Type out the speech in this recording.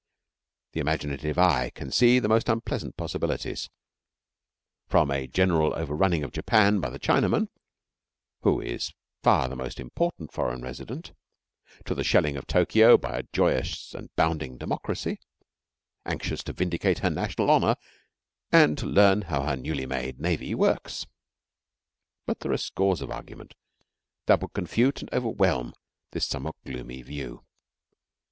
The imaginative eye can see the most unpleasant possibilities, from a general overrunning of Japan by the Chinaman, who is far the most important foreign resident, to the shelling of Tokio by a joyous and bounding Democracy, anxious to vindicate her national honour and to learn how her newly made navy works. But there are scores of arguments that would confute and overwhelm this somewhat gloomy view.